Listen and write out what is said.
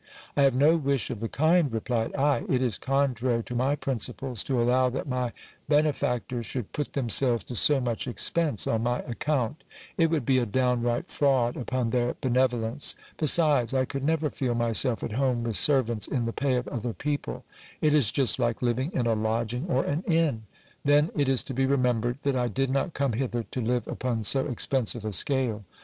I have no wish of the kind, re 346 GIL BLAS. plied I : it is contrary to my principles to allow that my benefactors should put themselves to so much expense on my account ; it would be a downright fraud upon their benevolence. Besides, I could never feel myself at home with serv ants in the pay of other people ; it is just like living in a lodging or an inn. Then it is to be remembered, that I did not come hither to live upon so ex pensive a scale.